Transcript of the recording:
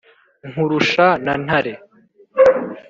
nkurusha na ntare,